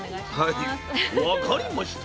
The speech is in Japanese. はい分かりました。